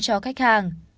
cho khách hàng